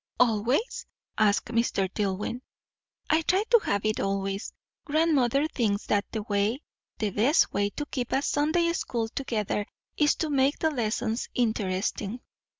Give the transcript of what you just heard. "Always?" asked Mr. Dillwyn. "I try to have it always. Grandmother thinks that the way the best way to keep a Sunday school together, is to make the lessons interesting."